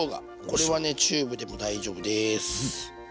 これはチューブでも大丈夫です。